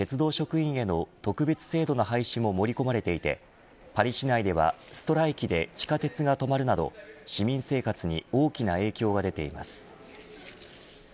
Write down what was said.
また公務員や鉄道職員の特別制度の廃止も盛り込まれていてパリ市内ではストライキで地下鉄が止まるなど市民生活に大きな影響が出ています。